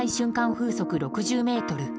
風速６０メートル